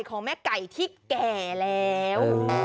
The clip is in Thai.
ของแม่ไก่ที่แก่แล้ว